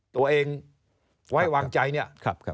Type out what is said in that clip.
ตัวเองไว้วางใจเนี่ย